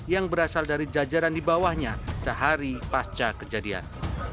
yang berasal dari jajaran di bawahnya sehari pasca kejadian